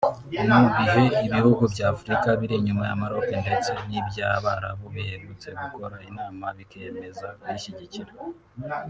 Mu bihe ibihugu bya Afurika biri inyuma ya Maroc ndetse n’iby’Abarabu biherutse gukora inama bikemeza kuyishyigikira